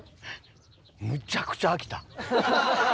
むちゃくちゃ飽きた。